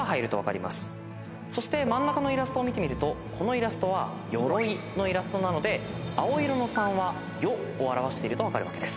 そして真ん中のイラストを見てみるとこのイラストは鎧のイラストなので青色の３は「ヨ」を表してると分かるわけです。